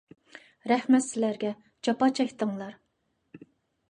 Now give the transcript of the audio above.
رەھمەت سىلەرگە، جاپا چەكتىڭلار!